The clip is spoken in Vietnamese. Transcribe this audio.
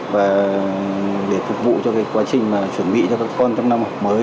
và để phục vụ cho cái quá trình mà chuẩn bị cho các con trong năm học mới